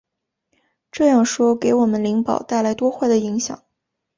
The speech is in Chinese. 这样说给我们灵宝带来多坏的影响！